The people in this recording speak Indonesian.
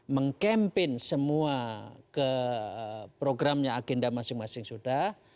mengkampen semua ke programnya agenda masing masing sudah